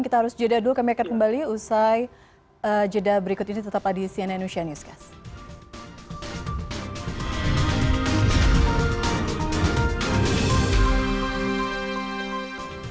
kita harus jeda dulu kembali usai jeda berikut ini tetap lagi di cnn newscast